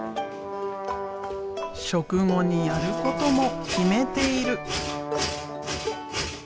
食後にやることも決めている。